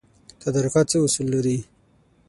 تدارکات څه اصول لري؟